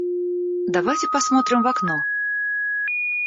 Давайте посмотрим в окно!